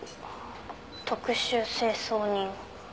特殊清掃人。